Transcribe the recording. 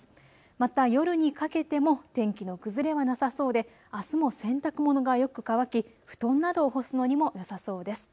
また夜にかけても天気の崩れはなさそうであすも洗濯物がよく乾き布団などを干すのにもよさそうです。